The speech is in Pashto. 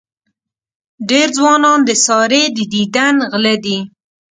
ډېر ځوانان د سارې د دیدن غله دي.